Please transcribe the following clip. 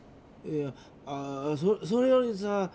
いやあそれよりさ